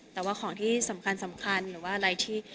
แต่ว่าของที่สำคัญหรือว่าอะไรที่